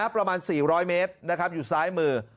ประมาณ๔๐๐เมตรอยู่ซ้ายมือ